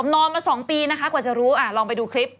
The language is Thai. นอนมา๒ปีนะคะกว่าจะรู้ลองไปดูคลิป